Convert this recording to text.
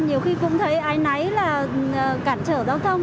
nhiều khi cũng thấy ai nấy là cản trở giao thông